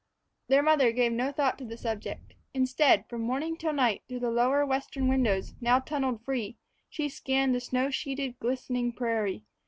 Their mother gave no thought to the subject Instead, from morning till night, through the lower western windows, now tunneled free, she scanned the snow sheeted, glistening prairie.